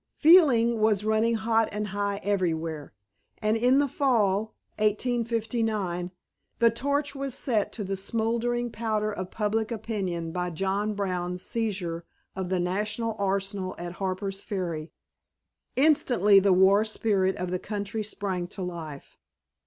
Feeling was running hot and high everywhere. And in the fall (1859) the torch was set to the smouldering powder of public opinion by John Brown's seizure of the national arsenal at Harper's Ferry. Instantly the war spirit of the country sprang to life.